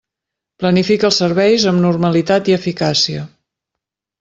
Planifica els serveis amb normalitat i eficàcia.